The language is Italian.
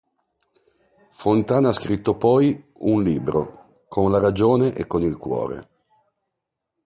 Fontana ha scritto poi, un libro: "Con la ragione e con il cuore".